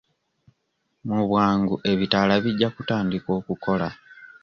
Mu bwangu ebitala bijja kutandiika okukola.